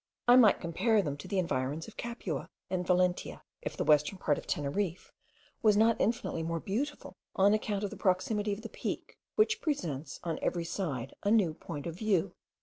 I might compare them to the environs of Capua and Valentia, if the western part of Teneriffe was not infinitely more beautiful on account of the proximity of the peak, which presents on every side a new point of view.